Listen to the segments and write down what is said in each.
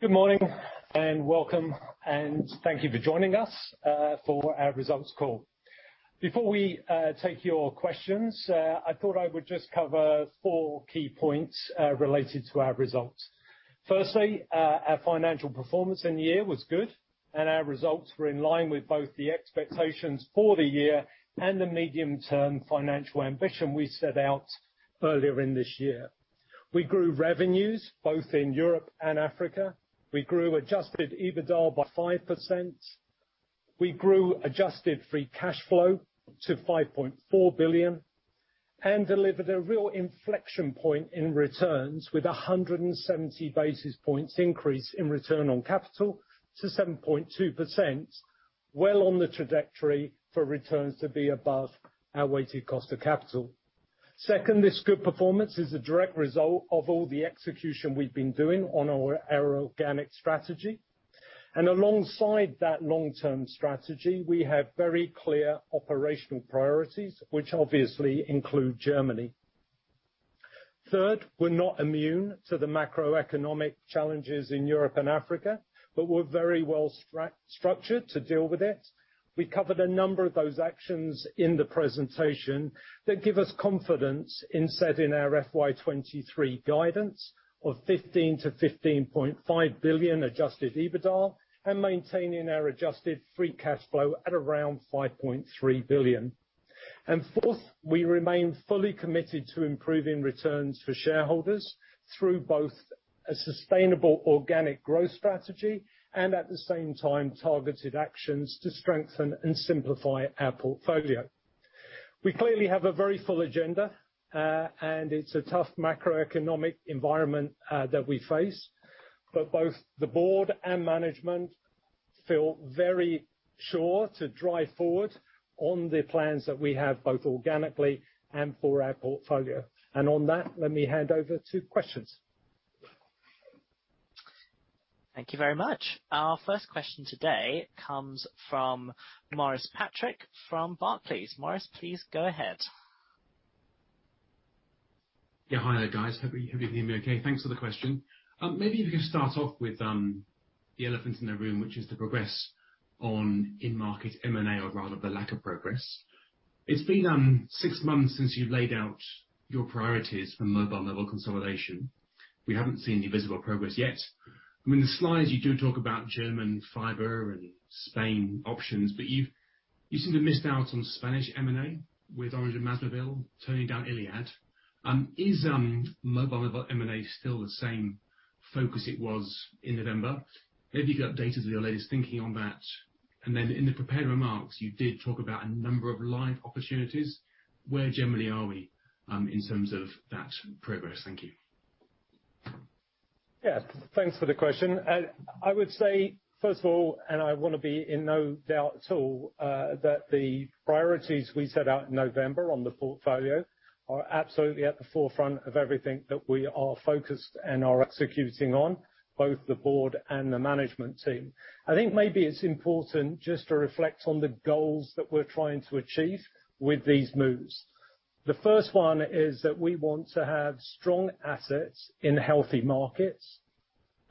Good morning, and welcome, and thank you for joining us for our results call. Before we take your questions, I thought I would just cover four key points related to our results. Firstly, our financial performance in the year was good and our results were in line with both the expectations for the year and the medium-term financial ambition we set out earlier in this year. We grew revenues both in Europe and Africa. We grew adjusted EBITDA by 5%. We grew adjusted free cash flow to 5.4 billion and delivered a real inflection point in returns with a 170 basis points increase in return on capital to 7.2%, well on the trajectory for returns to be above our weighted cost of capital. Second, this good performance is a direct result of all the execution we've been doing on our organic strategy. Alongside that long-term strategy, we have very clear operational priorities, which obviously include Germany. Third, we're not immune to the macroeconomic challenges in Europe and Africa, but we're very well structured to deal with it. We covered a number of those actions in the presentation that give us confidence in setting our FY 2023 guidance of 15 billion-15.5 billion adjusted EBITDA and maintaining our adjusted free cash flow at around 5.3 billion. Fourth, we remain fully committed to improving returns for shareholders through both a sustainable organic growth strategy and at the same time, targeted actions to strengthen and simplify our portfolio. We clearly have a very full agenda, and it's a tough macroeconomic environment, that we face. Both the board and management feel very sure to drive forward on the plans that we have, both organically and for our portfolio. On that, let me hand over to questions. Thank you very much. Our first question today comes from Maurice Patrick from Barclays. Morris, please go ahead. Yeah. Hi there, guys. Hope you can hear me okay. Thanks for the question. Maybe if you could start off with the elephant in the room, which is the progress on in-market M&A or rather the lack of progress. It's been six months since you've laid out your priorities for mobile level consolidation. We haven't seen any visible progress yet. I mean, the slides, you do talk about German fiber and Spain options, but you've, you seem to have missed out on Spanish M&A with Orange and MásMóvil turning down Iliad. Is mobile level M&A still the same focus it was in November? Maybe you can update us with your latest thinking on that. Then in the prepared remarks, you did talk about a number of live opportunities. Where generally are we in terms of that progress? Thank you. Yeah, thanks for the question. I would say, first of all, I wanna be in no doubt at all, that the priorities we set out in November on the portfolio are absolutely at the forefront of everything that we are focused and are executing on, both the board and the management team. I think maybe it's important just to reflect on the goals that we're trying to achieve with these moves. The first one is that we want to have strong assets in healthy markets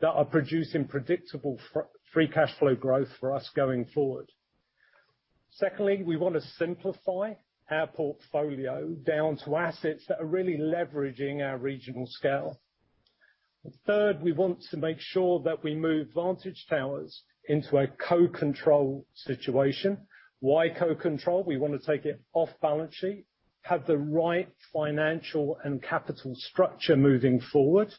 that are producing predictable free cash flow growth for us going forward. Secondly, we wanna simplify our portfolio down to assets that are really leveraging our regional scale. Third, we want to make sure that we move Vantage Towers into a co-control situation. Why co-control? We wanna take it off balance sheet, have the right financial and capital structure moving forward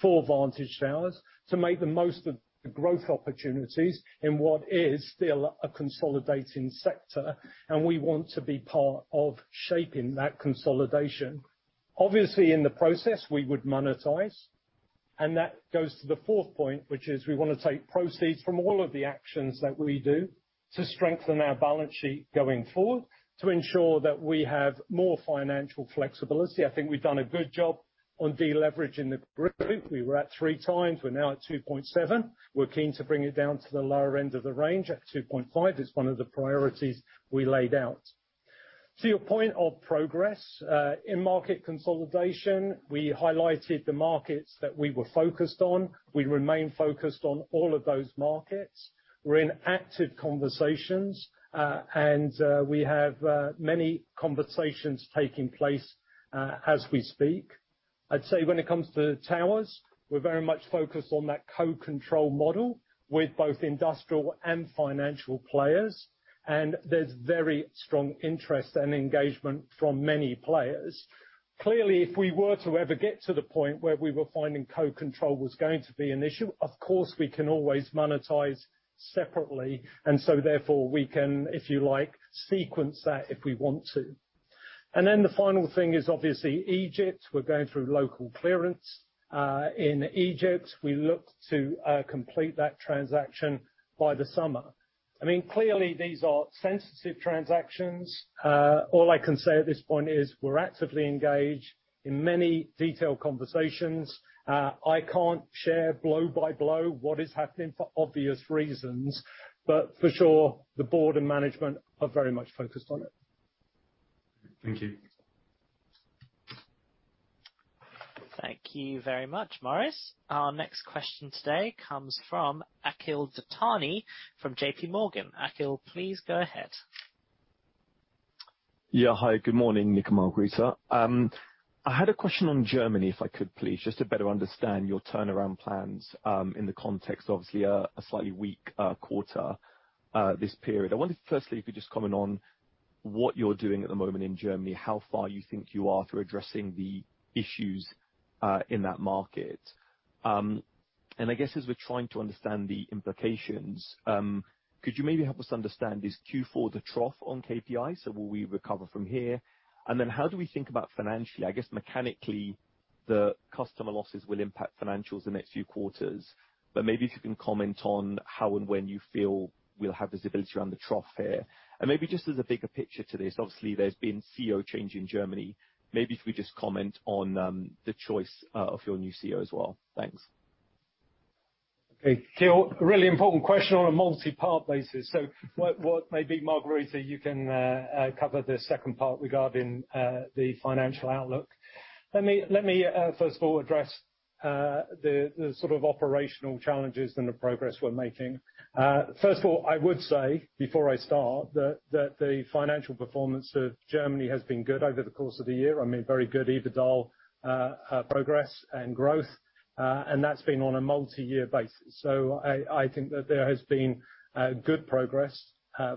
for Vantage Towers to make the most of the growth opportunities in what is still a consolidating sector, and we want to be part of shaping that consolidation. Obviously, in the process, we would monetize, and that goes to the fourth point, which is we wanna take proceeds from all of the actions that we do to strengthen our balance sheet going forward to ensure that we have more financial flexibility. I think we've done a good job on deleveraging the group. We were at 3x, we're now at 2.7x. We're keen to bring it down to the lower end of the range at 2.5x. It's one of the priorities we laid out. To your point of progress in market consolidation, we highlighted the markets that we were focused on. We remain focused on all of those markets. We're in active conversations, and we have many conversations taking place as we speak. I'd say when it comes to towers, we're very much focused on that co-control model with both industrial and financial players, and there's very strong interest and engagement from many players. Clearly, if we were to ever get to the point where we were finding co-control was going to be an issue, of course we can always monetize separately and so therefore we can, if you like, sequence that if we want to. The final thing is obviously Egypt. We're going through local clearance in Egypt. We look to complete that transaction by the summer. I mean, clearly these are sensitive transactions. All I can say at this point is we're actively engaged in many detailed conversations. I can't share blow-by-blow what is happening for obvious reasons, but for sure, the board and management are very much focused on it. Thank you. Thank you very much, Maurice. Our next question today comes from Akhil Dattani from J.P. Morgan. Akhil, please go ahead. Yeah. Hi, good morning, Nick and Margherita. I had a question on Germany, if I could, please, just to better understand your turnaround plans, in the context, obviously, a slightly weak quarter this period. I wonder, firstly, if you'd just comment on what you're doing at the moment in Germany, how far you think you are through addressing the issues, in that market. I guess, as we're trying to understand the implications, could you maybe help us understand, is Q4 the trough on KPI? So will we recover from here? And then how do we think about financially? I guess mechanically, the customer losses will impact financials the next few quarters, but maybe if you can comment on how and when you feel we'll have visibility around the trough here. Maybe just as a bigger picture to this, obviously there's been CEO change in Germany. Maybe if we just comment on the choice of your new CEO as well. Thanks. Okay. Akhil, a really important question on a multi-part basis. What, maybe Margherita, you can cover the second part regarding the financial outlook. Let me first of all address the sort of operational challenges and the progress we're making. First of all, I would say, before I start, that the financial performance of Germany has been good over the course of the year. I mean, very good EBITDA progress and growth, and that's been on a multi-year basis. I think that there has been good progress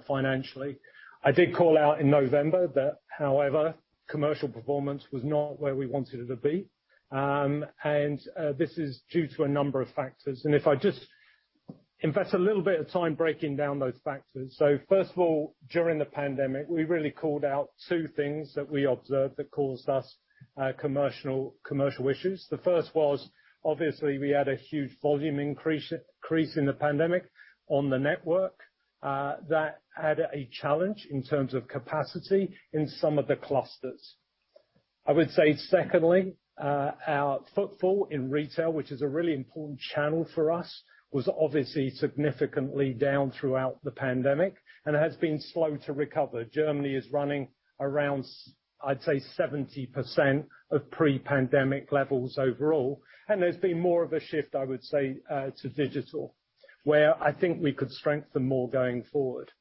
financially. I did call out in November that, however, commercial performance was not where we wanted it to be, and this is due to a number of factors. If I just invest a little bit of time breaking down those factors. First of all, during the pandemic, we really called out two things that we observed that caused us commercial issues. The first was, obviously, we had a huge volume increase in the pandemic on the network that had a challenge in terms of capacity in some of the clusters. I would say, secondly, our footfall in retail, which is a really important channel for us, was obviously significantly down throughout the pandemic and has been slow to recover. Germany is running around, I'd say, 70% of pre-pandemic levels overall, and there's been more of a shift, I would say, to digital, where I think we could strengthen more going forward.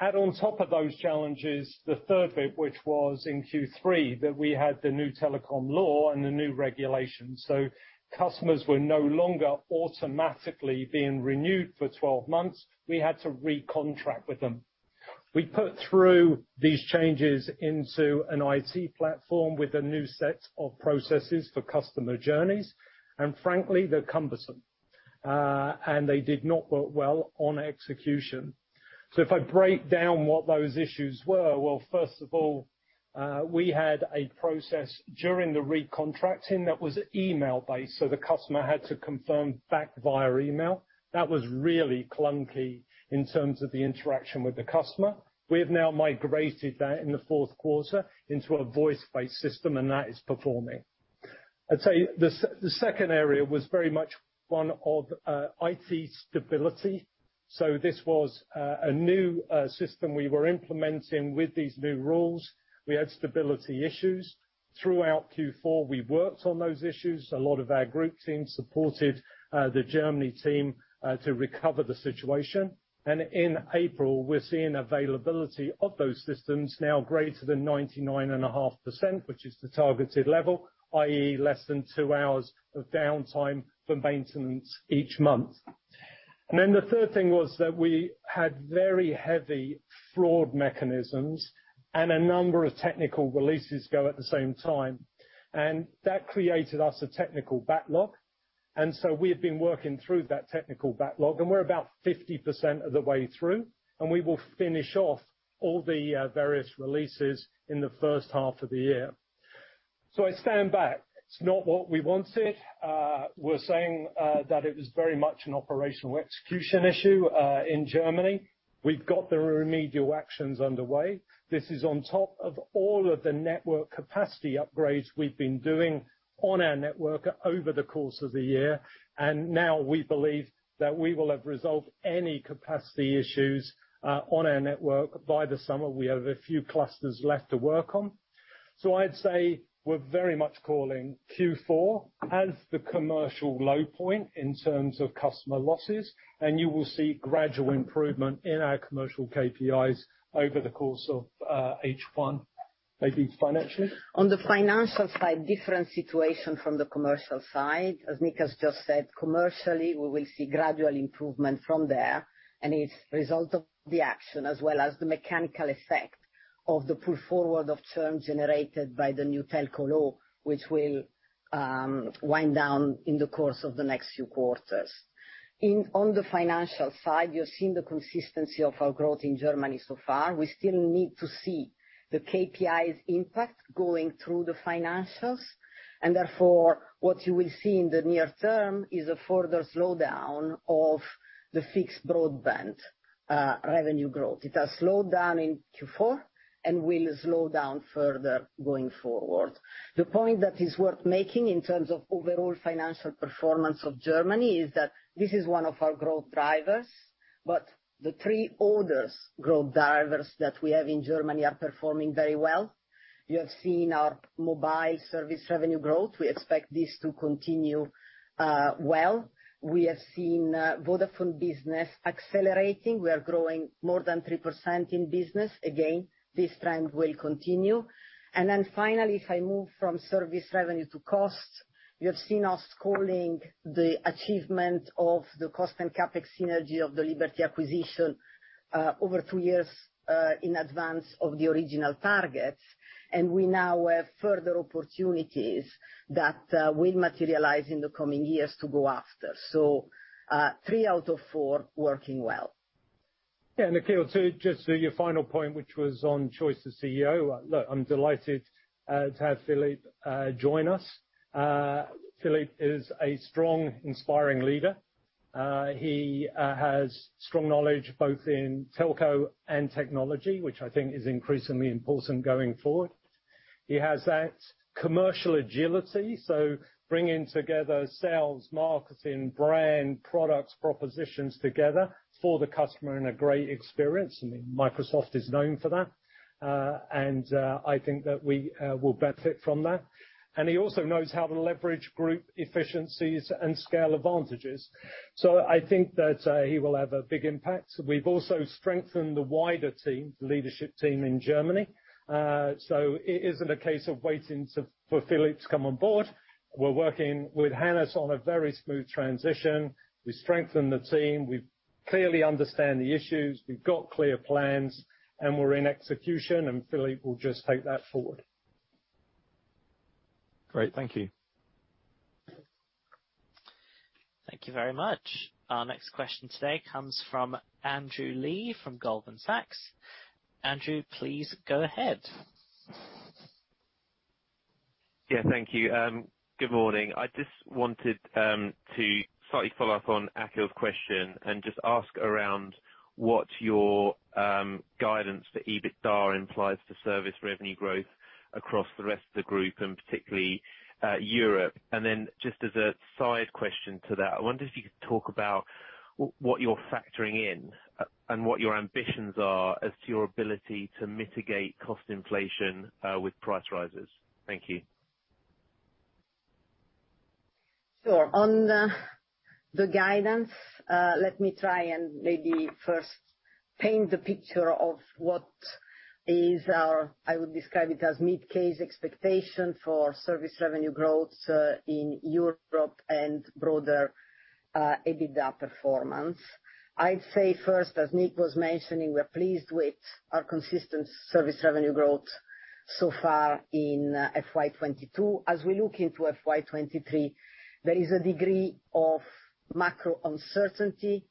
Add on top of those challenges, the third bit, which was in Q3, that we had the new telecom law and the new regulations, so customers were no longer automatically being renewed for 12 months. We had to re-contract with them. We put through these changes into an IT platform with a new set of processes for customer journeys, and frankly, they're cumbersome, and they did not work well on execution. If I break down what those issues were, well, first of all, we had a process during the recontracting that was email-based, so the customer had to confirm back via email. That was really clunky in terms of the interaction with the customer. We have now migrated that in the fourth quarter into a voice-based system, and that is performing. I'd say the second area was very much one of IT stability. This was a new system we were implementing with these new rules. We had stability issues. Throughout Q4, we worked on those issues. A lot of our group teams supported the Germany team to recover the situation. In April, we're seeing availability of those systems now greater than 99.5%, which is the targeted level, i.e., less than two hours of downtime for maintenance each month. The third thing was that we had very heavy fraud mechanisms and a number of technical releases go at the same time, and that created us a technical backlog. We have been working through that technical backlog, and we're about 50% of the way through, and we will finish off all the various releases in the first half of the year. I stand back. It's not what we wanted. We're saying that it was very much an operational execution issue in Germany. We've got the remedial actions underway. This is on top of all of the network capacity upgrades we've been doing on our network over the course of the year. Now we believe that we will have resolved any capacity issues on our network by the summer. We have a few clusters left to work on. I'd say we're very much calling Q4 as the commercial low point in terms of customer losses, and you will see gradual improvement in our commercial KPIs over the course of H1. Maybe financially? On the financial side, different situation from the commercial side. As Nick has just said, commercially, we will see gradual improvement from there, and it's result of the action as well as the mechanical effect of the pull forward of terms generated by the new telco law, which will wind down in the course of the next few quarters. On the financial side, you're seeing the consistency of our growth in Germany so far. We still need to see the KPIs impact going through the financials. Therefore, what you will see in the near term is a further slowdown of the fixed broadband revenue growth. It has slowed down in Q4 and will slow down further going forward. The point that is worth making in terms of overall financial performance of Germany is that this is one of our growth drivers. The three oldest growth drivers that we have in Germany are performing very well. You have seen our mobile service revenue growth. We expect this to continue, well. We have seen Vodafone Business accelerating. We are growing more than 3% in business. Again, this trend will continue. Then finally, if I move from service revenue to cost, you have seen us claiming the achievement of the cost and CapEx synergy of the Liberty acquisition, over two years, in advance of the original targets. We now have further opportunities that, will materialize in the coming years to go after. Three out of four working well. Yeah, Akhil, to just your final point, which was on choice of CEO. Look, I'm delighted to have Philippe join us. Philippe is a strong, inspiring leader. He has strong knowledge both in telco and technology, which I think is increasingly important going forward. He has that commercial agility, so bringing together sales, marketing, brand, products, propositions together for the customer in a great experience. I mean, Microsoft is known for that. I think that we will benefit from that. He also knows how to leverage group efficiencies and scale advantages. I think that he will have a big impact. We've also strengthened the wider team, leadership team in Germany. It isn't a case of waiting for Philippe to come on board. We're working with Hannes on a very smooth transition. We strengthened the team. We clearly understand the issues. We've got clear plans, and we're in execution, and Philippe will just take that forward. Great. Thank you. Thank you very much. Our next question today comes from Andrew Lee from Goldman Sachs. Andrew, please go ahead. Yeah, thank you. Good morning. I just wanted to slightly follow up on Akhil's question and just ask about what your guidance for EBITDA implies for service revenue growth across the rest of the group, and particularly Europe. Just as a side question to that, I wonder if you could talk about what you're factoring in and what your ambitions are as to your ability to mitigate cost inflation with price rises. Thank you. Sure. On the guidance, let me try and maybe first paint the picture of what is our, I would describe it as mid-case expectation for service revenue growth, in Europe and broader, EBITDA performance. I'd say first, as Nick was mentioning, we're pleased with our consistent service revenue growth so far in FY 2022. As we look into FY 2023, there is a degree of macro uncertainty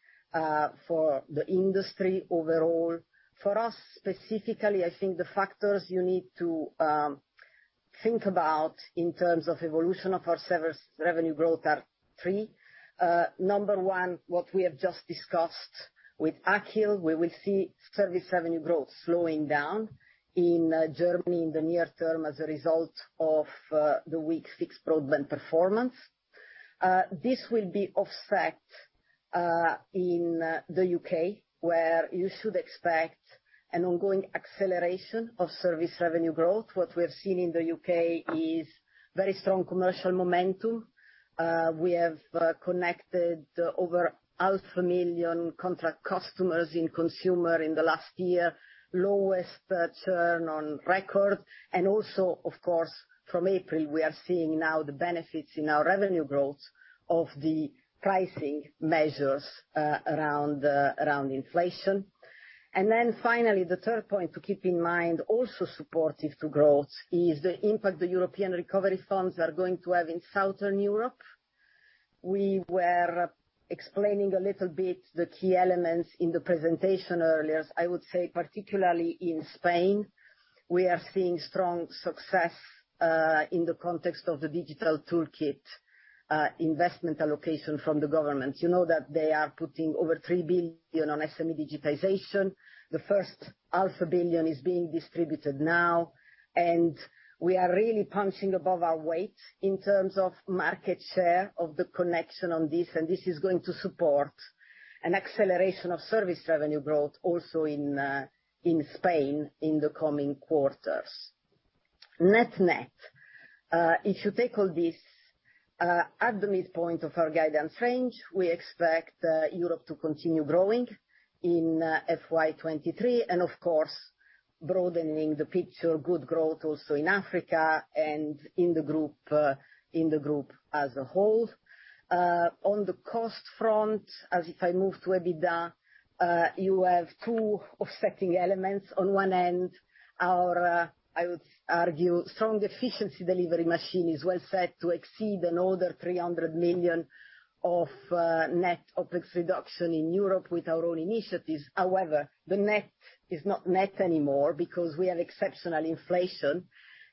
for the industry overall. For us specifically, I think the factors you need to think about in terms of evolution of our service revenue growth are three. Number one, what we have just discussed with Akhil, where we see service revenue growth slowing down in Germany in the near term as a result of the weak fixed broadband performance. This will be offset in the U.K., where you should expect an ongoing acceleration of service revenue growth. What we have seen in the U.K. is very strong commercial momentum. We have connected over 500,000 contract customers in consumer in the last year. Lowest churn on record and also, of course, from April, we are seeing now the benefits in our revenue growth of the pricing measures around inflation. Then finally, the third point to keep in mind, also supportive to growth is the impact the European recovery funds are going to have in Southern Europe. We were explaining a little bit the key elements in the presentation earlier. I would say particularly in Spain, we are seeing strong success in the context of the digital toolkit investment allocation from the government. You know that they are putting over 3 billion on SME digitization. The first half a billion is being distributed now, and we are really punching above our weight in terms of market share of the connection on this, and this is going to support an acceleration of service revenue growth also in Spain in the coming quarters. Net net, if you take all this at the midpoint of our guidance range, we expect Europe to continue growing in FY 2023 and of course, broadening the picture, good growth also in Africa and in the group as a whole. On the cost front, as I move to EBITDA, you have two offsetting elements. On one end, our, I would argue, strong efficiency delivery machine is well set to exceed another 300 million of net OpEx reduction in Europe with our own initiatives. However, the net is not net anymore because we have exceptional inflation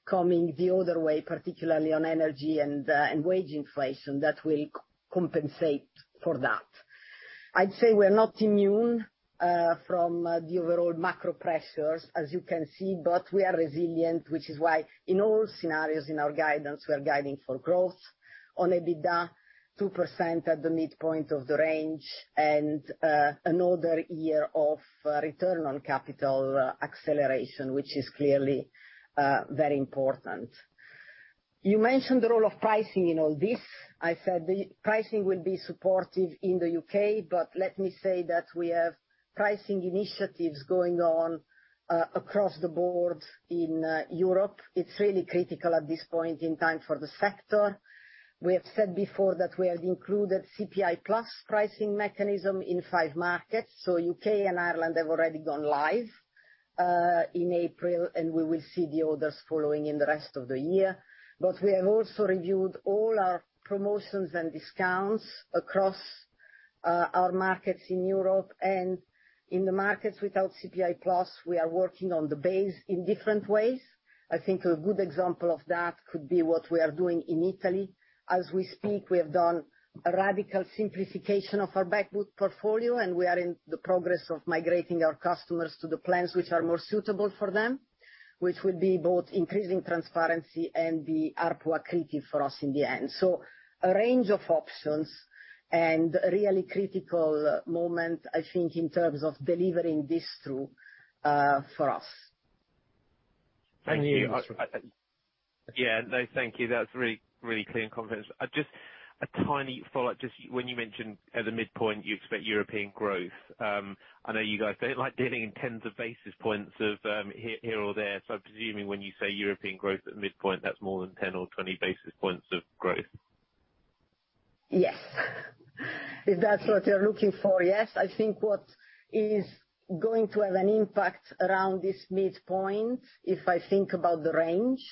coming the other way, particularly on energy and wage inflation that will compensate for that. I'd say we're not immune from the overall macro pressures as you can see, but we are resilient, which is why in all scenarios in our guidance, we are guiding for growth on EBITDA 2% at the midpoint of the range and another year of return on capital acceleration, which is clearly very important. You mentioned the role of pricing in all this. I said the pricing will be supportive in the U.K., but let me say that we have pricing initiatives going on across the board in Europe. It's really critical at this point in time for the sector. We have said before that we have included CPI-plus pricing mechanism in five markets. U.K. and Ireland have already gone live in April, and we will see the others following in the rest of the year. We have also reviewed all our promotions and discounts across our markets in Europe and in the markets without CPIplus, we are working on the base in different ways. I think a good example of that could be what we are doing in Italy. As we speak, we have done a radical simplification of our back book portfolio, and we are in the progress of migrating our customers to the plans which are more suitable for them, which will be both increasing transparency and the ARPU accretive for us in the end. A range of options and a really critical moment, I think, in terms of delivering this through, for us. Thank you. Thank you. Yeah, no, thank you. That's really, really clear and confident. Just a tiny follow-up, just when you mentioned at the midpoint you expect European growth. I know you guys don't like dealing in tens of basis points of here or there, so I'm presuming when you say European growth at the midpoint, that's more than 10 or 20 basis points of growth. Yes. If that's what you're looking for, yes. I think what is going to have an impact around this midpoint, if I think about the range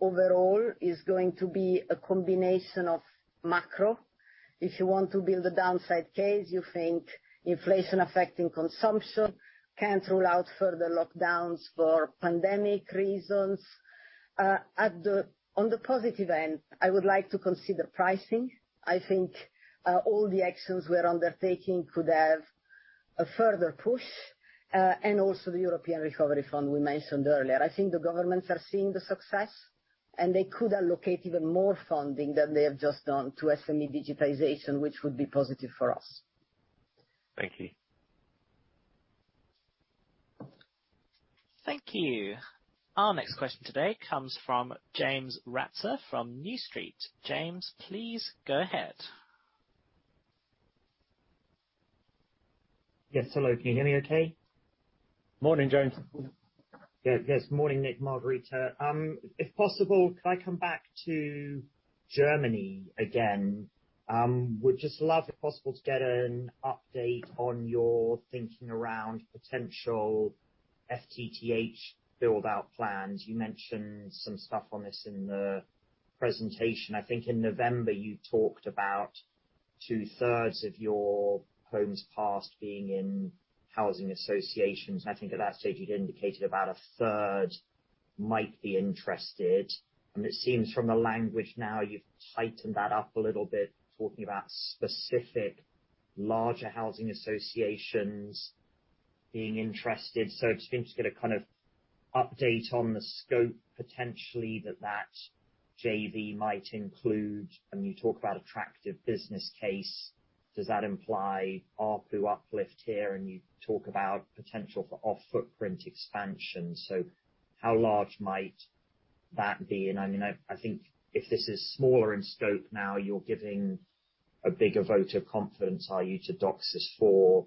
overall, is going to be a combination of macro. If you want to build a downside case, you think inflation affecting consumption can't rule out further lockdowns for pandemic reasons. On the positive end, I would like to consider pricing. I think all the actions we're undertaking could have a further push, and also the European Recovery Fund we mentioned earlier. I think the governments are seeing the success, and they could allocate even more funding than they have just done to SME digitization, which would be positive for us. Thank you. Thank you. Our next question today comes from James Ratzer from New Street. James, please go ahead. Yes, hello. Can you hear me okay? Morning, James. Yes, yes. Morning, Nick, Margherita. If possible, could I come back to Germany again? Would just love, if possible, to get an update on your thinking around potential FTTH build-out plans. You mentioned some stuff on this in the presentation. I think in November you talked about two-thirds of your homes passed being in housing associations. I think at that stage you'd indicated about a third might be interested, and it seems from the language now you've tightened that up a little bit, talking about specific larger housing associations being interested. Just interested to get a kind of update on the scope potentially that JV might include. When you talk about attractive business case, does that imply ARPU uplift here? You talk about potential for off-footprint expansion. How large might that be? I mean, I think if this is smaller in scope now, you're giving a bigger vote of confidence, are you, to DOCSIS for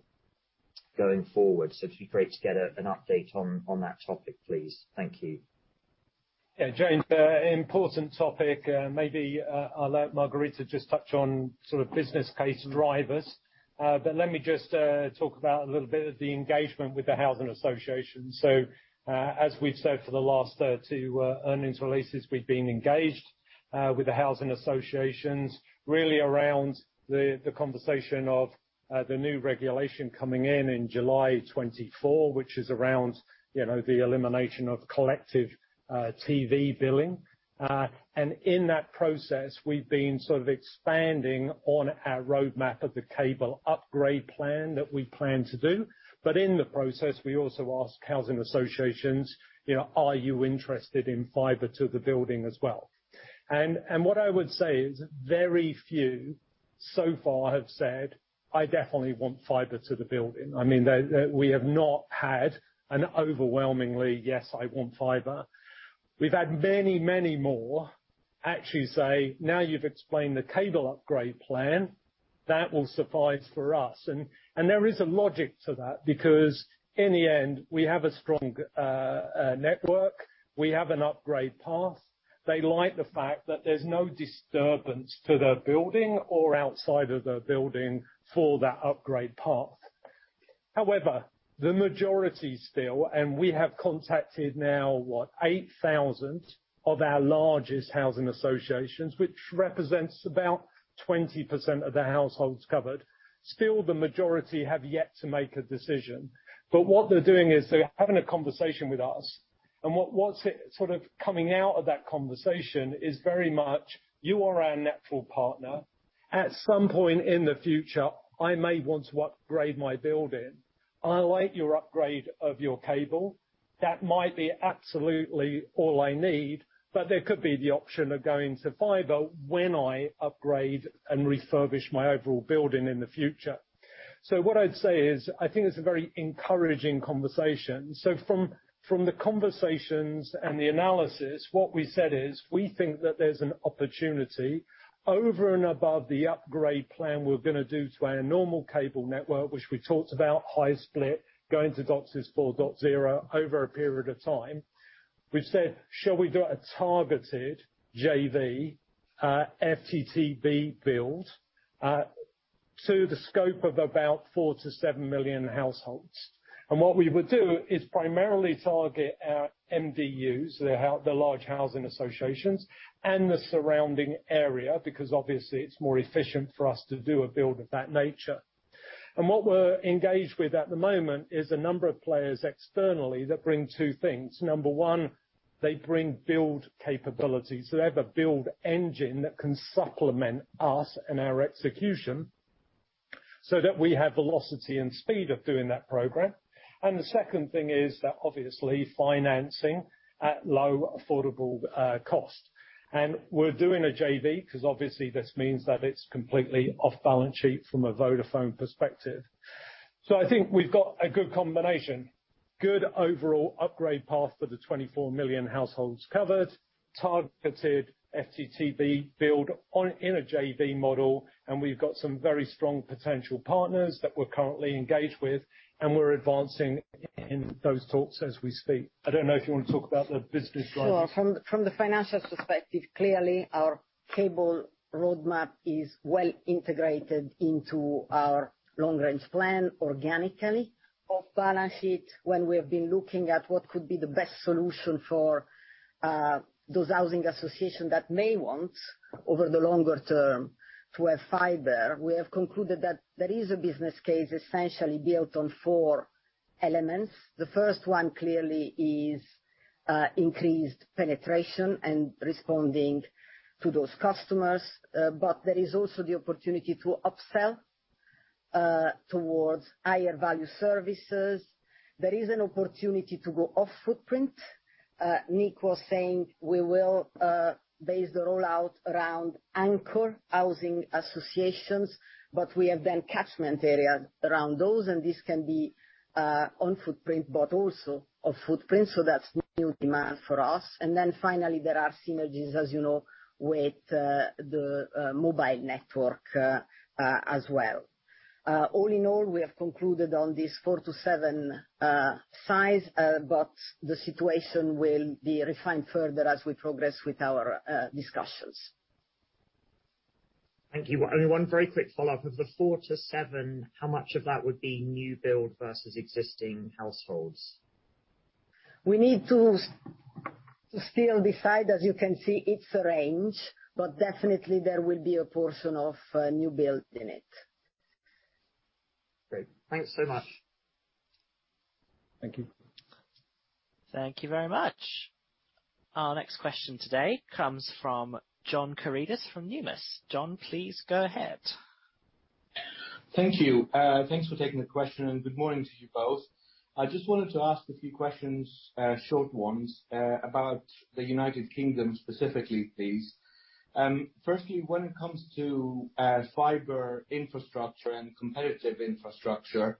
going forward. It'd be great to get an update on that topic, please. Thank you. Yeah. James, important topic. Maybe, I'll let Margherita just touch on sort of business case drivers. Let me just talk about a little bit of the engagement with the housing association. As we've said for the last two earnings releases, we've been engaged with the housing associations really around the conversation of the new regulation coming in in July 2024, which is around, you know, the elimination of collective TV billing. In that process, we've been sort of expanding on our roadmap of the cable upgrade plan that we plan to do. In the process, we also ask housing associations, you know, "Are you interested in fiber to the building as well?" What I would say is very few so far have said, "I definitely want fiber to the building." I mean, they, we have not had an overwhelmingly, "Yes, I want fiber." We've had many, many more actually say, "Now you've explained the cable upgrade plan, that will suffice for us." There is a logic to that because in the end, we have a strong network. We have an upgrade path. They like the fact that there's no disturbance to the building or outside of the building for that upgrade path. However, the majority still, and we have contacted now, what, 8,000 of our largest housing associations, which represents about 20% of the households covered. Still, the majority have yet to make a decision. What they're doing is they're having a conversation with us. What's sort of coming out of that conversation is very much you are our natural partner. At some point in the future, I may want to upgrade my building. I like your upgrade of your cable. That might be absolutely all I need, but there could be the option of going to fiber when I upgrade and refurbish my overall building in the future. What I'd say is, I think it's a very encouraging conversation. From the conversations and the analysis, what we said is, we think that there's an opportunity over and above the upgrade plan we're gonna do to our normal cable network, which we talked about high-split, going to DOCSIS 4.0 over a period of time. We've said, shall we do a targeted JV, FTTB build, to the scope of about 4 million-7 million households? What we would do is primarily target our MDUs, the large housing associations and the surrounding area, because obviously it's more efficient for us to do a build of that nature. What we're engaged with at the moment is a number of players externally that bring two things. Number one, they bring build capability. They have a build engine that can supplement us and our execution so that we have velocity and speed of doing that program. The second thing is that obviously financing at low, affordable, cost. We're doing a JV 'cause obviously this means that it's completely off-balance sheet from a Vodafone perspective. I think we've got a good combination. Good overall upgrade path for the 24 million households covered, targeted FTTB build on, in a JV model, and we've got some very strong potential partners that we're currently engaged with, and we're advancing in those talks as we speak. I don't know if you wanna talk about the business logic. Sure. From the financial perspective, clearly, our cable roadmap is well integrated into our long-range plan organically off-balance sheet. When we have been looking at what could be the best solution for those housing association that may want over the longer term to have fiber, we have concluded that there is a business case essentially built on four elements. The first one clearly is increased penetration and responding to those customers, but there is also the opportunity to upsell towards higher value services. There is an opportunity to go off footprint. Nick was saying we will base the rollout around anchor housing associations, but we have then catchment area around those, and this can be on footprint, but also off footprint, so that's new demand for us. Then finally, there are synergies, as you know, with the mobile network as well. All in all, we have concluded on this four to seven size, but the situation will be refined further as we progress with our discussions. Thank you. Only one very quick follow-up. Of the four to seven, how much of that would be new build versus existing households? We need to still decide. As you can see, it's a range, but definitely there will be a portion of new build in it. Great. Thanks so much. Thank you. Thank you very much. Our next question today comes from John Karidis from Numis. John, please go ahead. Thank you. Thanks for taking the question, and good morning to you both. I just wanted to ask a few questions, short ones, about the United Kingdom specifically, please. Firstly, when it comes to fiber infrastructure and competitive infrastructure,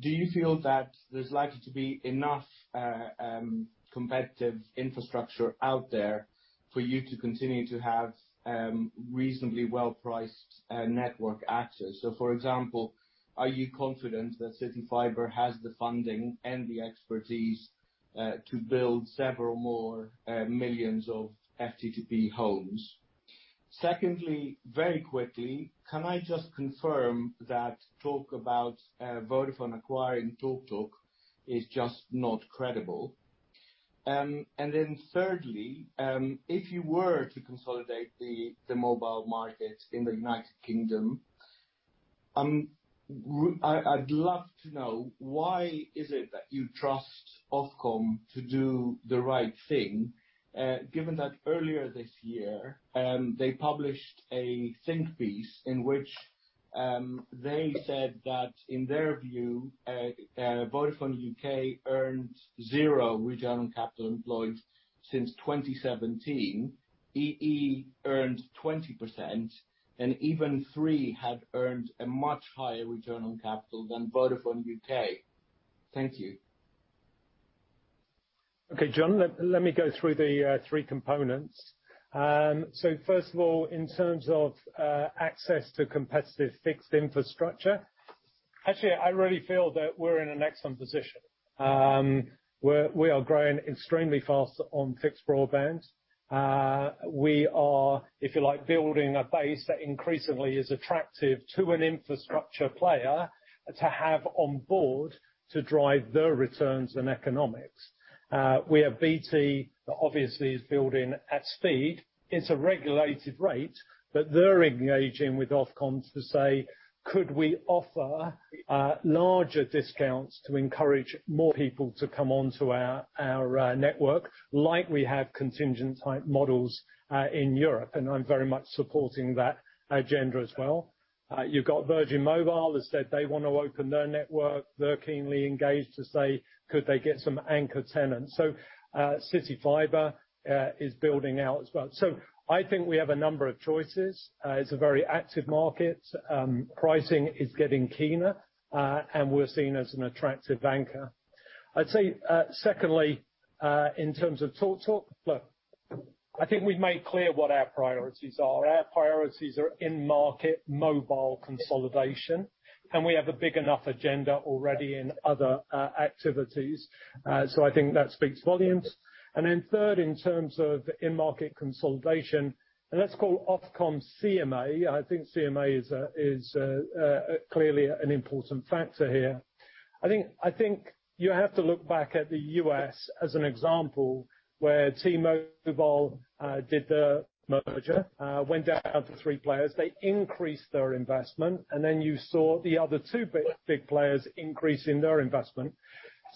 do you feel that there's likely to be enough competitive infrastructure out there for you to continue to have reasonably well-priced network access? So for example, are you confident that CityFibre has the funding and the expertise to build several more millions of FTTP homes? Secondly, very quickly, can I just confirm that talk about Vodafone acquiring TalkTalk is just not credible? Thirdly, if you were to consolidate the mobile market in the United Kingdom, I'd love to know why is it that you trust Ofcom to do the right thing, given that earlier this year, they published a think piece in which they said that in their view, Vodafone UK earned zero return on capital employed since 2017, EE earned 20%, and even Three had earned a much higher return on capital than Vodafone UK. Thank you. Okay, John, let me go through the three components. So first of all, in terms of access to competitive fixed infrastructure, actually, I really feel that we're in an excellent position. We are growing extremely fast on fixed broadband. We are, if you like, building a base that increasingly is attractive to an infrastructure player to have on board to drive their returns and economics. We have BT that obviously is building at speed. It's a regulated rate, but they're engaging with Ofcom to say, "Could we offer larger discounts to encourage more people to come onto our network, like we have contingent type models in Europe?" I'm very much supporting that agenda as well. You've got Virgin Media has said they wanna open their network. They're keenly engaged to say, could they get some anchor tenants? CityFibre is building out as well. I think we have a number of choices. It's a very active market. Pricing is getting keener, and we're seen as an attractive anchor. I'd say, secondly, in terms of TalkTalk, look, I think we've made clear what our priorities are. Our priorities are in-market mobile consolidation, and we have a big enough agenda already in other activities. I think that speaks volumes. Then third, in terms of in-market consolidation, and let's call Ofcom and CMA. I think CMA is clearly an important factor here. I think you have to look back at the U.S. as an example where T-Mobile did the merger, went down to three players, they increased their investment, and then you saw the other two big players increasing their investment.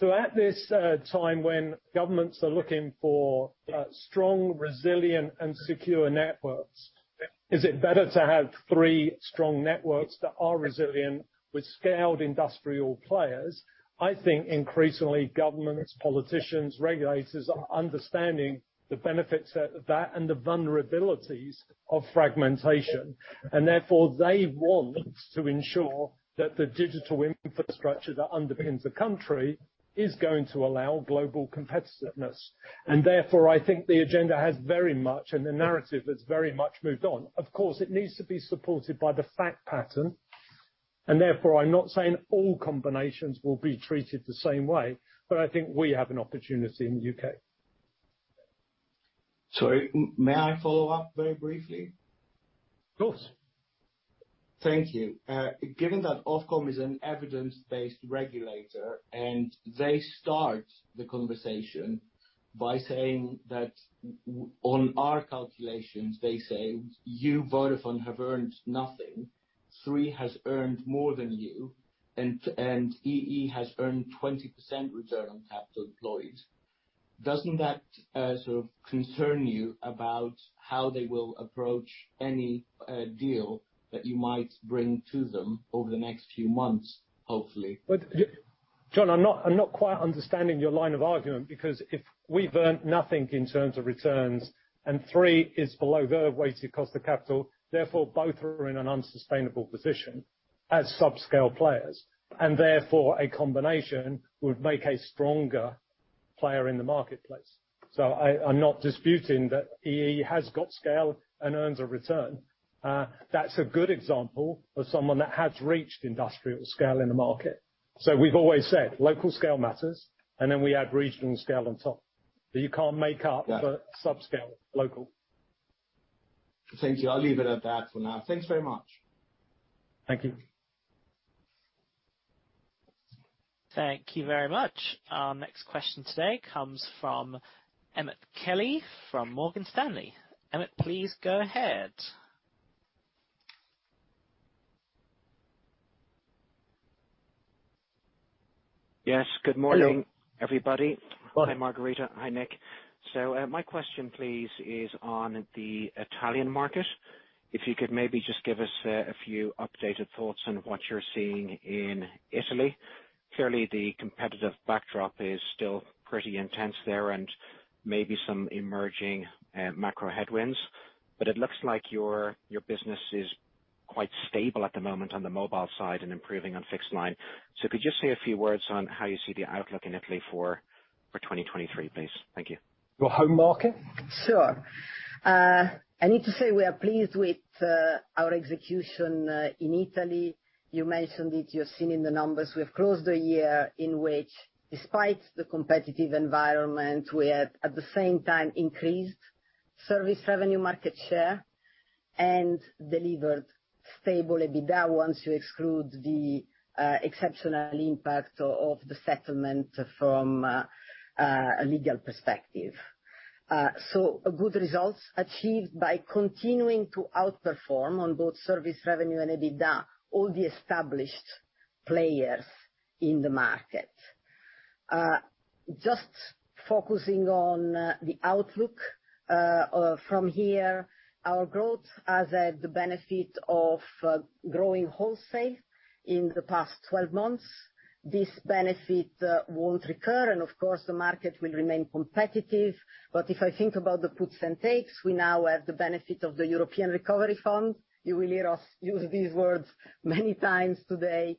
At this time when governments are looking for strong, resilient, and secure networks, is it better to have three strong networks that are resilient with scaled industrial players? I think increasingly governments, politicians, regulators are understanding the benefits of that and the vulnerabilities of fragmentation. Therefore, they want to ensure that the digital infrastructure that underpins the country is going to allow global competitiveness. Therefore, I think the agenda has very much and the narrative has very much moved on. Of course, it needs to be supported by the fact pattern and therefore, I'm not saying all combinations will be treated the same way, but I think we have an opportunity in the U.K.. Sorry. May I follow up very briefly? Of course. Thank you. Given that Ofcom is an evidence-based regulator, and they start the conversation by saying that on our calculations, they say you, Vodafone, have earned nothing, Three has earned more than you, and EE has earned 20% return on capital employed. Doesn't that sort of concern you about how they will approach any deal that you might bring to them over the next few months, hopefully? John, I'm not quite understanding your line of argument, because if we've earned nothing in terms of returns and Three is below their weighted cost of capital, therefore both are in an unsustainable position as subscale players, and therefore a combination would make a stronger player in the marketplace. I'm not disputing that EE has got scale and earns a return. That's a good example of someone that has reached industrial scale in the market. We've always said local scale matters, and then we add regional scale on top. You can't make up. Yeah. For subscale local. Thank you. I'll leave it at that for now. Thanks very much. Thank you. Thank you very much. Our next question today comes from Emmet Kelly from Morgan Stanley. Emmet, please go ahead. Yes. Good morning. Hello. Everybody. Welcome. Hi, Margherita. Hi, Nick. My question please is on the Italian market. If you could maybe just give us a few updated thoughts on what you're seeing in Italy. Clearly, the competitive backdrop is still pretty intense there and maybe some emerging macro headwinds. It looks like your business is quite stable at the moment on the mobile side and improving on fixed line. Could you just say a few words on how you see the outlook in Italy for 2023, please? Thank you. Your home market? Sure. I need to say we are pleased with our execution in Italy. You mentioned it, you're seeing in the numbers, we have closed the year in which, despite the competitive environment, we have at the same time increased service revenue market share and delivered stable EBITDA once you exclude the exceptional impact of the settlement from a legal perspective. Good results achieved by continuing to outperform on both service revenue and EBITDA, all the established players in the market. Just focusing on the outlook from here, our growth has had the benefit of growing wholesale in the past 12 months. This benefit won't recur, and of course, the market will remain competitive. If I think about the puts and takes, we now have the benefit of the Recovery and Resilience Facility. You will hear us use these words many times today.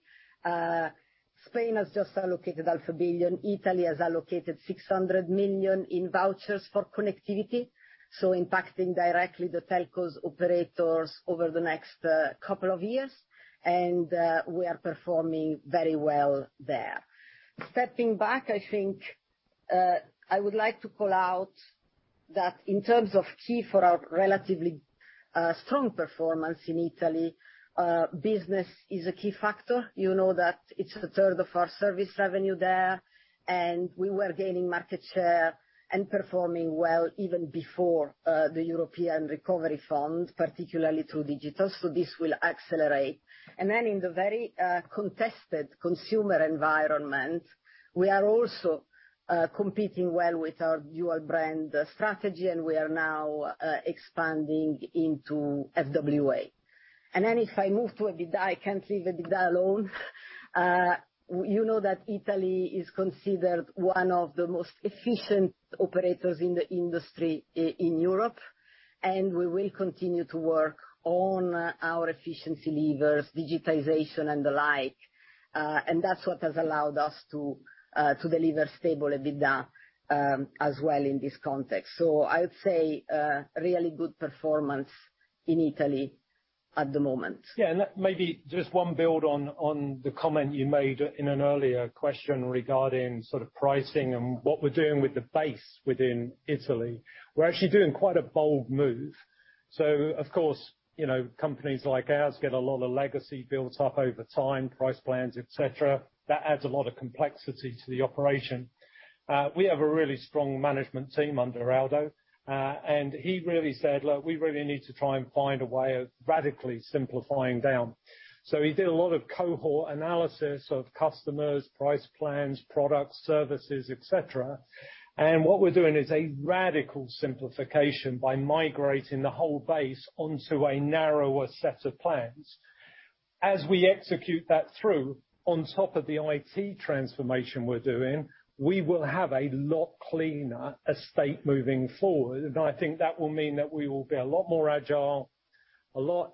Spain has just allocated 500 million. Italy has allocated 600 million in vouchers for connectivity, so impacting directly the telcos operators over the next couple of years, and we are performing very well there. Stepping back, I think I would like to call out that in terms of KPIs for our relatively strong performance in Italy, business is a key factor. You know that it's a third of our service revenue there, and we were gaining market share and performing well even before the Recovery and Resilience Facility, particularly through digital. This will accelerate. In the very contested consumer environment, we are also competing well with our dual brand strategy, and we are now expanding into FWA. If I move to EBITDA, I can't leave EBITDA alone. You know that Italy is considered one of the most efficient operators in the industry in Europe, and we will continue to work on our efficiency levers, digitization and the like. And that's what has allowed us to to deliver stable EBITDA, as well in this context. I would say really good performance in Italy at the moment. Yeah. That may be just a build on the comment you made in an earlier question regarding sort of pricing and what we're doing with the base within Italy. We're actually doing quite a bold move. Of course, you know, companies like ours get a lot of legacy built up over time, price plans, et cetera. That adds a lot of complexity to the operation. We have a really strong management team under Aldo. He really said, "Look, we really need to try and find a way of radically simplifying down." He did a lot of cohort analysis of customers, price plans, products, services, et cetera. What we're doing is a radical simplification by migrating the whole base onto a narrower set of plans. As we execute that through, on top of the IT transformation we're doing, we will have a lot cleaner estate moving forward. I think that will mean that we will be a lot more agile, a lot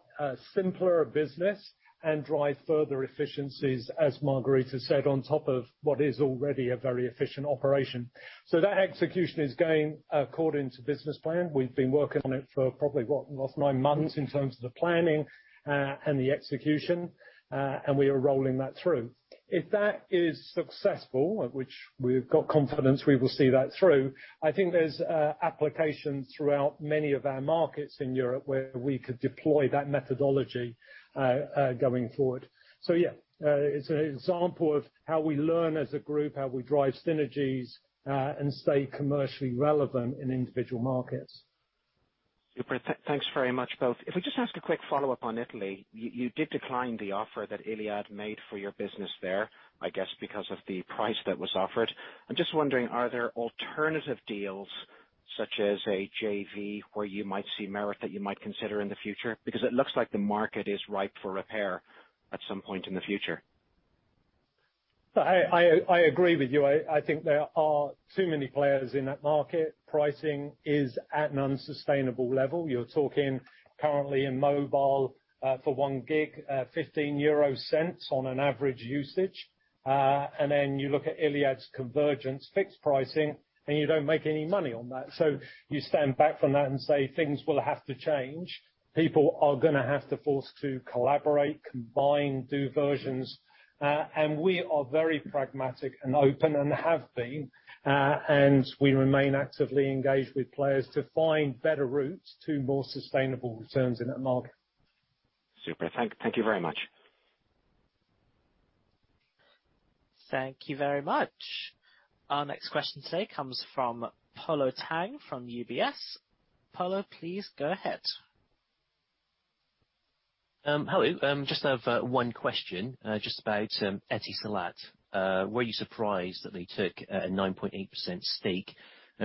simpler business, and drive further efficiencies, as Margherita said, on top of what is already a very efficient operation. That execution is going according to business plan. We've been working on it for probably, what, the last nine months in terms of the planning, and the execution, and we are rolling that through. If that is successful, of which we've got confidence we will see that through, I think there's application throughout many of our markets in Europe where we could deploy that methodology, going forward. Yeah, it's an example of how we learn as a group, how we drive synergies, and stay commercially relevant in individual markets. Super. Thanks very much, both. If we just ask a quick follow-up on Italy, you did decline the offer that Iliad made for your business there, I guess because of the price that was offered. I'm just wondering, are there alternative deals, such as a JV, where you might see merit that you might consider in the future? Because it looks like the market is ripe for repair at some point in the future. I agree with you. I think there are too many players in that market. Pricing is at an unsustainable level. You're talking currently in mobile, for one gig, 0.15 on an average usage. Then you look at Iliad's convergence fixed pricing, and you don't make any money on that. You stand back from that and say, "Things will have to change." People are gonna have to forced to collaborate, combine, do versions. We are very pragmatic and open and have been, and we remain actively engaged with players to find better routes to more sustainable returns in that market. Super. Thank you very much. Thank you very much. Our next question today comes from Polo Tang from UBS. Polo, please go ahead. Hello. Just have one question just about Etisalat. Were you surprised that they took a 9.8% stake?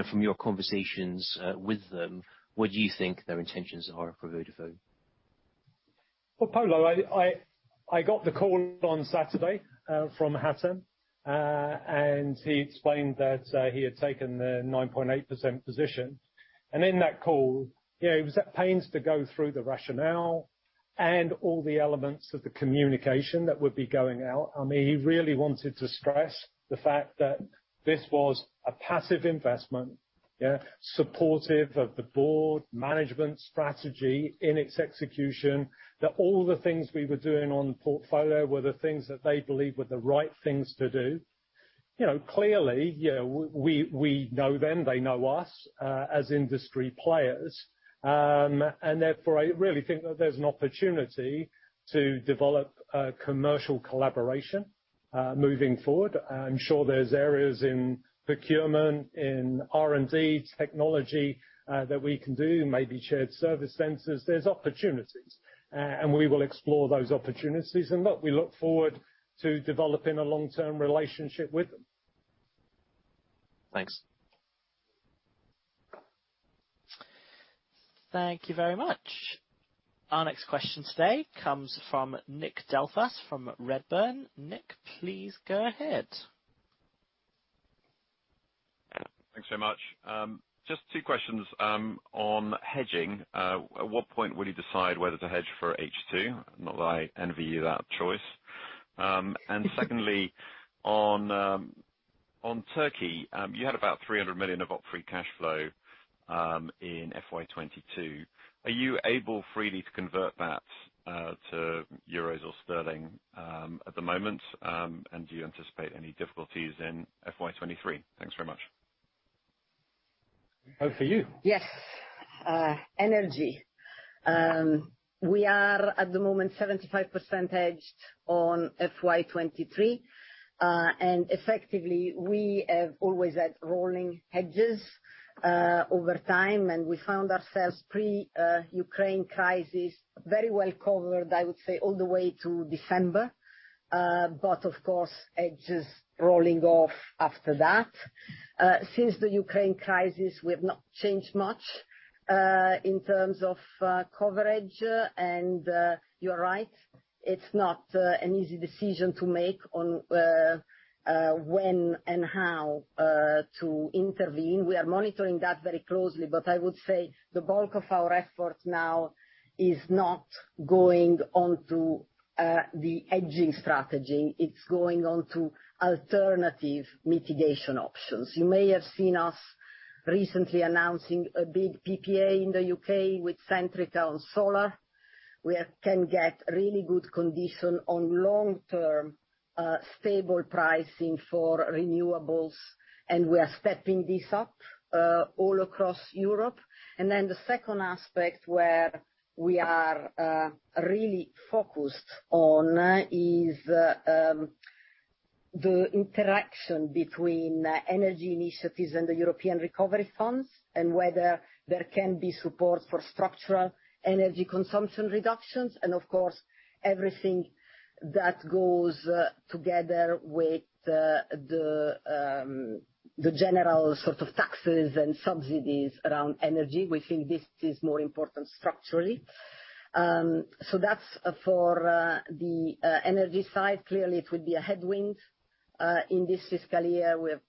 From your conversations with them, what do you think their intentions are for Vodafone? Well, Paulo, I got the call on Saturday from Hatem. He explained that he had taken the 9.8% position. In that call, you know, he was at pains to go through the rationale and all the elements of the communication that would be going out. I mean, he really wanted to stress the fact that this was a passive investment, yeah, supportive of the board management strategy in its execution, that all the things we were doing on portfolio were the things that they believed were the right things to do. You know, clearly, you know, we know them, they know us as industry players. Therefore, I really think that there's an opportunity to develop a commercial collaboration moving forward. I'm sure there's areas in procurement, in R&D, technology, that we can do, maybe shared service centers. There's opportunities, and we will explore those opportunities. Look, we look forward to developing a long-term relationship with them. Thanks. Thank you very much. Our next question today comes from Nick Delfas from Redburn. Nick, please go ahead. Thanks so much. Just two questions on hedging. At what point will you decide whether to hedge for H2? Not that I envy you that choice. Secondly, on Turkey, you had about 300 million of operating free cash flow in FY 2022. Are you able freely to convert that to euros or sterling at the moment? Do you anticipate any difficulties in FY 2023? Thanks very much. Mar, for you. Yes. Energy. We are at the moment 75% hedged on FY 2023. Effectively, we have always had rolling hedges over time, and we found ourselves pre Ukraine crisis very well covered, I would say all the way to December. Of course, hedges rolling off after that. Since the Ukraine crisis, we have not changed much in terms of coverage. You're right, it's not an easy decision to make on when and how to intervene. We are monitoring that very closely. I would say the bulk of our effort now is not going onto the hedging strategy, it's going onto alternative mitigation options. You may have seen us recently announcing a big PPA in the U.K. with Centrica on solar. We can get really good condition on long-term, stable pricing for renewables, and we are stepping this up, all across Europe. Then the second aspect where we are, really focused on, is, the interaction between energy initiatives and the European recovery funds, and whether there can be support for structural energy consumption reductions, and of course, everything that goes together with the general sort of taxes and subsidies around energy. We think this is more important structurally. That's for the energy side. Clearly it would be a headwind in this fiscal year. We are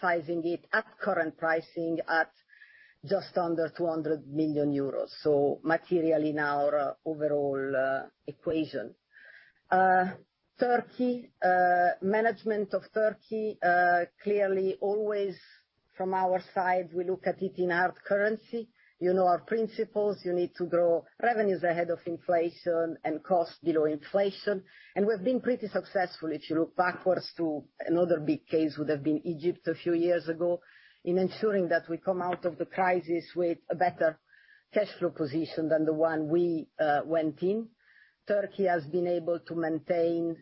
sizing it at current pricing at just under 200 million euros, so materially in our overall equation. Turkey. Management of Turkey, clearly always from our side, we look at it in hard currency. You know our principles. You need to grow revenues ahead of inflation and costs below inflation. We've been pretty successful, if you look backwards to another big case, would have been Egypt a few years ago, in ensuring that we come out of the crisis with a better cash flow position than the one we went in. Turkey has been able to maintain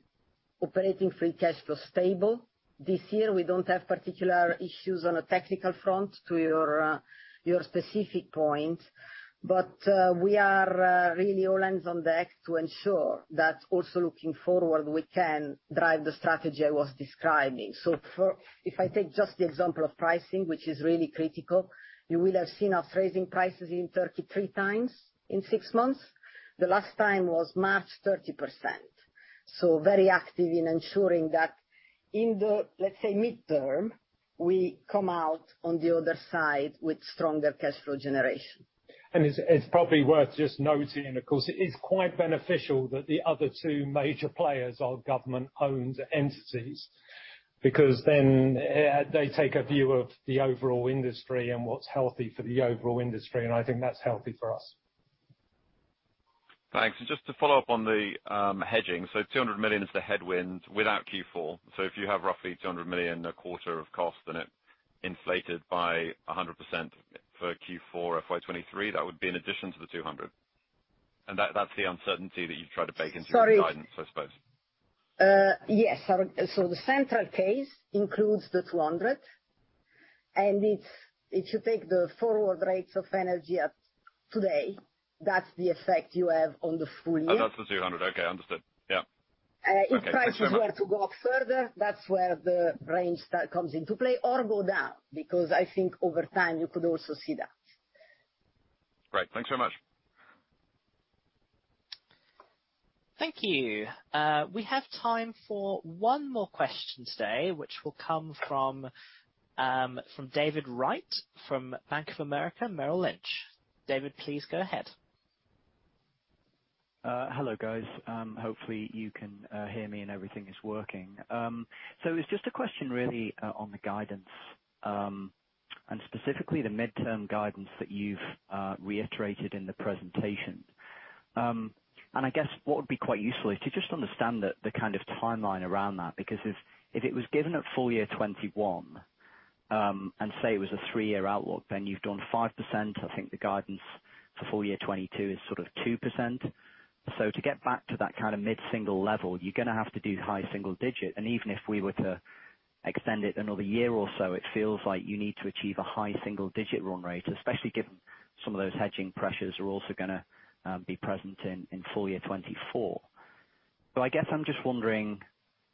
operating free cash flow stable. This year we don't have particular issues on a technical front to your specific point. We are really all hands on deck to ensure that also looking forward, we can drive the strategy I was describing. If I take just the example of pricing, which is really critical, you will have seen us raising prices in Turkey three times in six months. The last time was March, 30%. Very active in ensuring that in the, let's say, midterm, we come out on the other side with stronger cash flow generation. It's probably worth just noting, of course, it is quite beneficial that the other two major players are government-owned entities, because then they take a view of the overall industry and what's healthy for the overall industry, and I think that's healthy for us. Thanks. Just to follow up on the hedging. 200 million is the headwind without Q4. If you have roughly 200 million a quarter of cost and it inflated by 100% for Q4 of FY 2023, that would be in addition to the 200 million. That's the uncertainty that you've tried to bake into your guidance, I suppose. Yes. Our central case includes 200 million, and it's, if you take the forward rates of energy today, that's the effect you have on the full year. That's the 200 million. Okay, understood. Yeah. If prices were to go up further, that's where the range comes into play, or go down, because I think over time you could also see that. Right. Thanks so much. Thank you. We have time for one more question today, which will come from David Wright from Bank of America Merrill Lynch. David, please go ahead. Hello, guys. Hopefully you can hear me and everything is working. It's just a question really on the guidance, and specifically the midterm guidance that you've reiterated in the presentation. I guess what would be quite useful is to just understand the kind of timeline around that. Because if it was given at full year 2021, and say it was a three-year outlook, then you've done 5%. I think the guidance for full year 2022 is sort of 2%. To get back to that kind of mid-single level, you're gonna have to do high single digit. Even if we were to extend it another year or so, it feels like you need to achieve a high single digit run rate, especially given some of those hedging pressures are also gonna be present in full year 2024. I guess I'm just wondering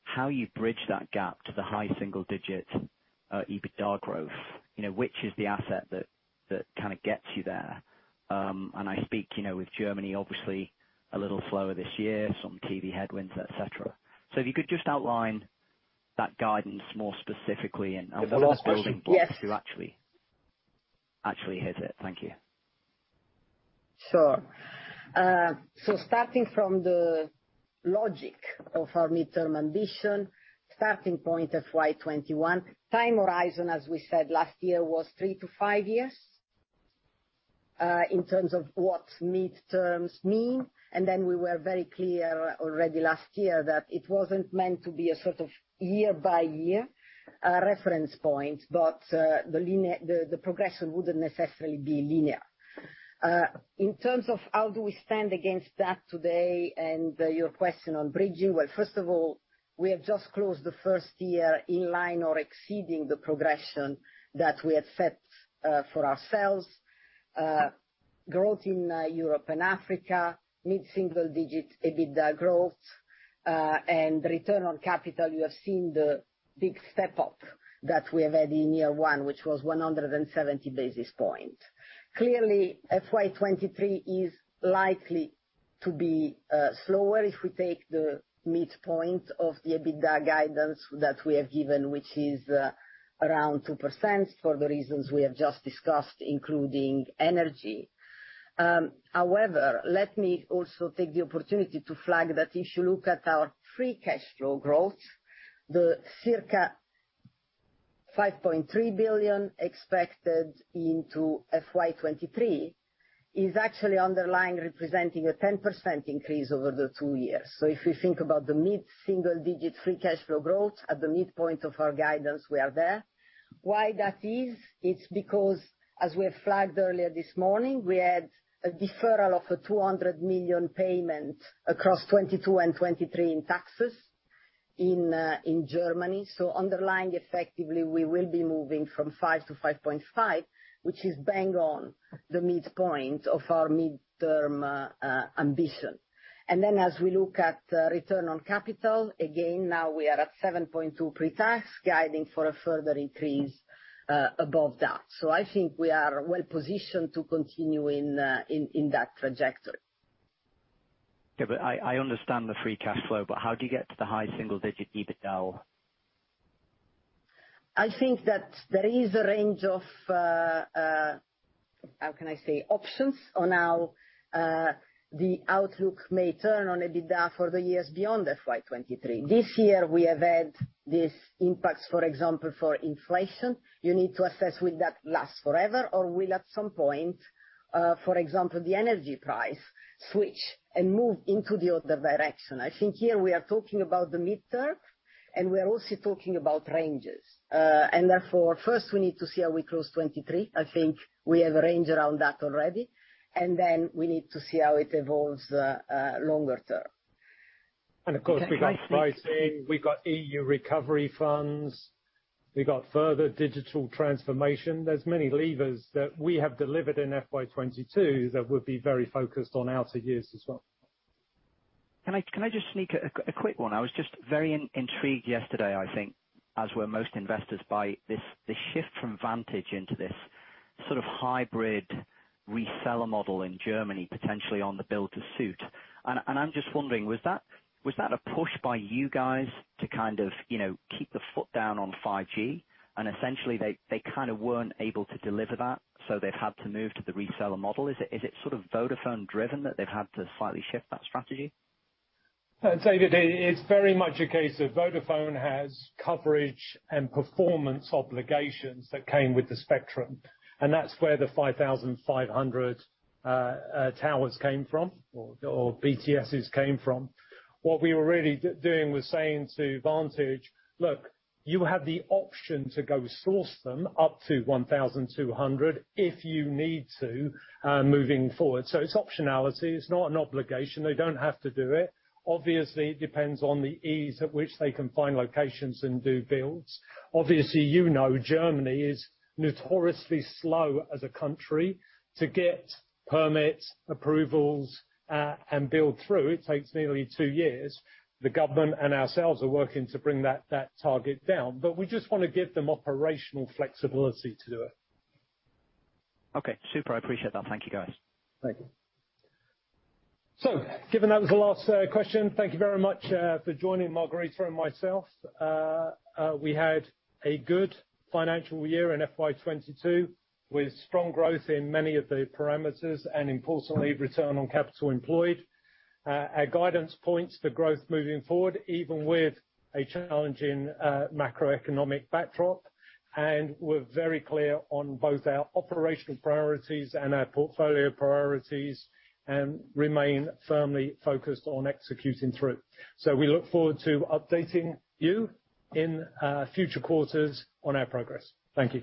how you bridge that gap to the high single digit EBITDA growth. You know, which is the asset that kind of gets you there? I speak, you know, with Germany, obviously a little slower this year, some TV headwinds, et cetera. If you could just outline that guidance more specifically and. The first question. To actually hit it. Thank you. Sure. Starting from the logic of our midterm ambition, starting point of FY 2021, time horizon, as we said last year, was three to five years, in terms of what midterms mean. We were very clear already last year that it wasn't meant to be a sort of year-by-year reference point. The progression wouldn't necessarily be linear. In terms of how do we stand against that today and your question on bridging, well, first of all, we have just closed the first year in line or exceeding the progression that we had set for ourselves. Growth in Europe and Africa, mid-single-digit EBITDA growth, and return on capital, you have seen the big step up that we have had in year one, which was 170 basis points. Clearly, FY 2023 is likely to be slower if we take the midpoint of the EBITDA guidance that we have given, which is around 2% for the reasons we have just discussed, including energy. However, let me also take the opportunity to flag that if you look at our free cash flow growth, the circa 5.3 billion expected into FY 2023 is actually underlying representing a 10% increase over the two years. If we think about the mid-single-digit free cash flow growth at the midpoint of our guidance, we are there. Why that is, it's because, as we have flagged earlier this morning, we had a deferral of a 200 million payment across 2022 and 2023 in taxes in Germany. Underlying effectively, we will be moving from 5%-5.5%, which is bang on the midpoint of our midterm ambition. As we look at return on capital, again, now we are at 7.2% pre-tax, guiding for a further increase above that. I think we are well-positioned to continue in that trajectory. Yeah, I understand the free cash flow, but how do you get to the high single digit EBITDA? I think that there is a range of, how can I say, options on how, the outlook may turn on EBITDA for the years beyond FY 2023. This year we have had these impacts, for example, for inflation. You need to assess will that last forever or will at some point, for example, the energy price switch and move into the other direction. I think here we are talking about the midterm, and we are also talking about ranges. Therefore, first we need to see how we close 2023. I think we have a range around that already. Then we need to see how it evolves, longer term. Of course, we've got pricing, we've got EU recovery funds, we've got further digital transformation. There's many levers that we have delivered in FY 2022 that would be very focused on outer years as well. Can I just sneak a quick one? I was just very intrigued yesterday, I think, as were most investors, by this shift from Vantage Towers into this sort of hybrid reseller model in Germany, potentially on the build-to-suit. I'm just wondering, was that a push by you guys to kind of, you know, keep the foot down on 5G, and essentially they kinda weren't able to deliver that, so they've had to move to the reseller model? Is it sort of Vodafone driven that they've had to slightly shift that strategy? David, it's very much a case of Vodafone has coverage and performance obligations that came with the spectrum, and that's where the 5,500 towers came from or BTSs came from. What we were really doing was saying to Vantage, "Look, you have the option to go source them up to 1,200 if you need to, moving forward." It's optionality, it's not an obligation. They don't have to do it. Obviously, it depends on the ease at which they can find locations and do builds. Obviously, you know Germany is notoriously slow as a country to get permits, approvals, and build through. It takes nearly two years. The government and ourselves are working to bring that target down. We just wanna give them operational flexibility to do it. Okay, super. I appreciate that. Thank you, guys. Thank you. Given that was the last question, thank you very much for joining Margherita and myself. We had a good financial year in FY 2022, with strong growth in many of the parameters and importantly, return on capital employed. Our guidance points for growth moving forward, even with a challenging macroeconomic backdrop, and we're very clear on both our operational priorities and our portfolio priorities, and remain firmly focused on executing through. We look forward to updating you in future quarters on our progress. Thank you.